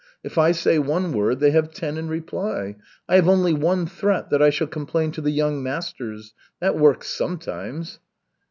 If I say one word, they have ten in reply. I have only one threat, that I shall complain to the young masters. That works sometimes."